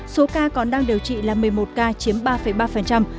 số ca còn đang điều trị là một mươi một ca chiếm ba ba